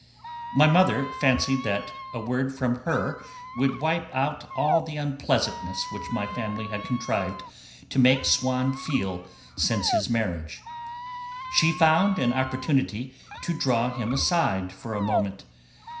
My mother fancied that a word from her would wipe out all the unpleasantness which my family had contrived to make Swann feel since his marriage. She found an opportunity to draw him aside for a moment.